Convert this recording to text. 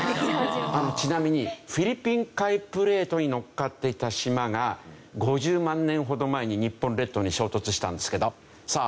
ちなみにフィリピン海プレートにのっかっていた島が５０万年ほど前に日本列島に衝突したんですけどさあ